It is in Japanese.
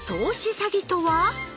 詐欺とは？